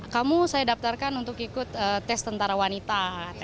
kamu saya daftarkan untuk ikut tes tentara wanita